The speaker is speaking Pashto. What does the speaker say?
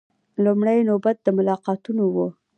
لومړۍ نوبت د ملاقاتونو و.